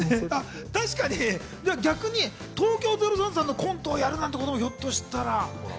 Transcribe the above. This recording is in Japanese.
逆に東京０３さんのコントをやるみたいなこともひょっとしたら。